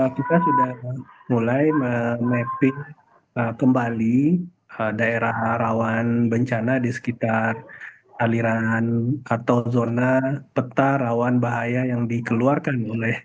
kita sudah mulai mapping kembali daerah rawan bencana di sekitar aliran atau zona peta rawan bahaya yang dikeluarkan oleh